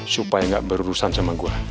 supaya nggak berurusan sama gue